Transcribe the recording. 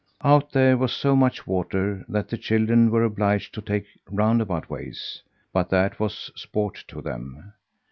Out there was so much water that the children were obliged to take roundabout ways; but that was sport to them.